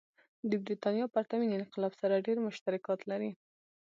د برېټانیا پرتمین انقلاب سره ډېر مشترکات لري.